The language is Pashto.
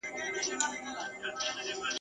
دپښتون قام به ژوندی وي !.